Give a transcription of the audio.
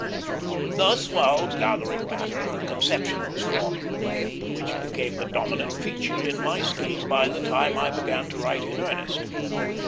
Thus, while gathering matter, a conception was forming, which became the dominant feature in my scheme by the time I began to write in earnest.